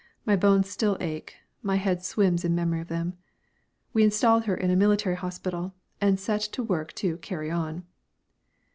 my bones still ache, my head swims in memory of them), we installed her in a military hospital, and set to work to "carry on."